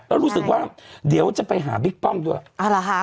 แล้วรู้สึกว่าเดี๋ยวจะไปหาบิ๊กป้องด้วย